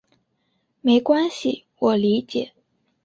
没关系，我理解。